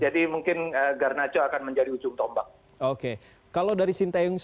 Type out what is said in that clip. jadi mereka semuanya memang kelihatannya sangat lebih cukup